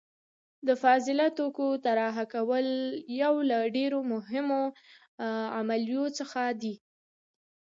د فاضله توکي طرحه کول یو له ډیرو مهمو عملیو څخه دي.